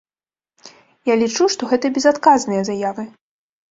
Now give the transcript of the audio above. Я лічу, што гэта безадказныя заявы.